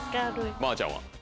まーちゃんは？